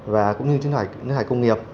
và cũng như chất lượng nước thải công nghiệp